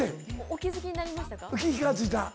お気付きになりましたか？